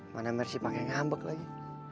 mana mercy pake ngambek lagi